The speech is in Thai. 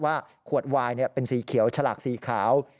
ขวดวายเป็นสีเขียวฉลากสีขาว